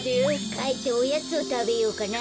かえっておやつをたべようかな。